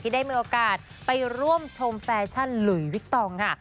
ได้มีโอกาสไปร่วมชมแฟชั่นหลุยวิกตองค่ะ